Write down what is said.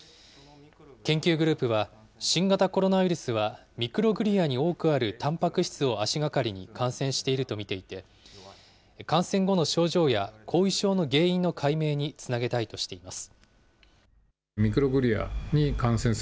研究グループは、新型コロナウイルスはミクログリアに多くあるたんぱく質を足がかりに感染していると見ていて、感染後の症状や後遺症の原因の解明につなげたいとしています。